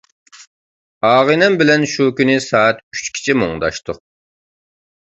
ئاغىنەم بىلەن شۇ كۈنى سائەت ئۈچكىچە مۇڭداشتۇق.